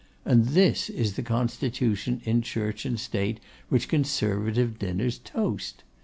And this is the constitution in Church and State which Conservative dinners toast!